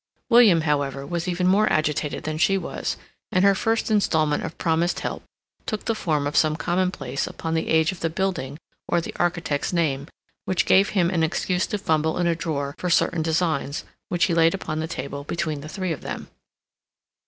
William, however, was even more agitated than she was, and her first instalment of promised help took the form of some commonplace upon the age of the building or the architect's name, which gave him an excuse to fumble in a drawer for certain designs, which he laid upon the table between the three of them.